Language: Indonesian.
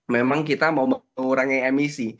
memang kita mau mengurangi emisi